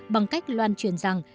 bằng cách loan truyền rằng